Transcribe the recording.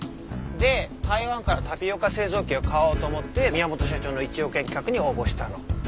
で台湾からタピオカ製造機を買おうと思って宮本社長の一億円企画に応募したの。